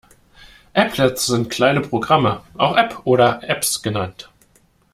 Applets sind kleine Programme, auch App oder Apps genannt.